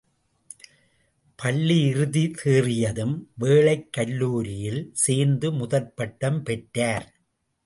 பள்ளியிறுதி தேறியதும் வேளைக் கல்லூரியில் சேர்ந்து முதற் பட்டம் பெற்றார்.